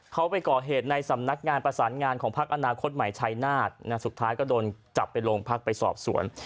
เขาไปก่อเหตุในสำนักงานประสานงานของพักอนาคตใหม่ชัยนาศสุดท้ายก็โดนจับไปโรงพักไปสอบสวน